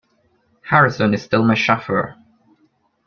Harrison is still my chauffeur.